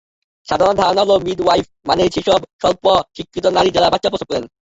সাধারণ ধারণা হলো, মিডওয়াইফ মানে সেসব স্বল্পশিক্ষিত নারী, যাঁরা বাচ্চা প্রসব করান।